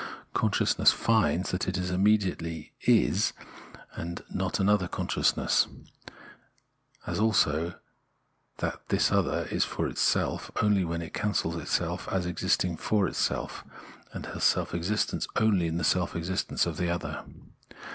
VOL. I. — N 178 Phenomenology of Mind Consciousness finds that it immediately is and is not another consciousness, as also that this other is for itself only when it cancels itself as existing for itself, and has self existence only in the self existence of the other.